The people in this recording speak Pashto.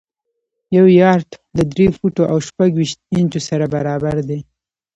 یو یارډ له درې فوټو او شپږ ویشت انچو سره برابر دی.